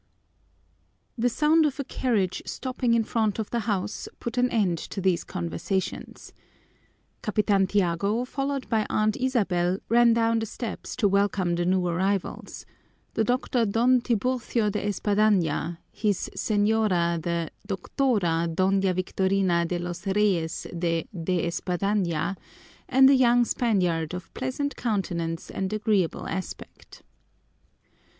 The sound of a carriage stopping in front of the house put an end to these conversations. Capitan Tiago, followed by Aunt Isabel, ran down the steps to welcome the new arrivals: the Doctor Don Tiburcio de Espadaña, his señora the Doctora Doña Victorina de los Reyes de De Espadaña, and a young Spaniard of pleasant countenance and agreeable aspect.